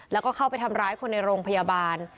แล้วก็เข้าไปทำร้ายคนในโรงพยาบาล